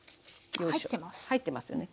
あっ入ってます。